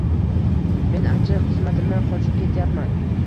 Men achchiq qismatimdan qochib ketyapman